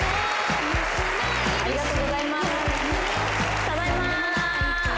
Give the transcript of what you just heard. ありがとうございます。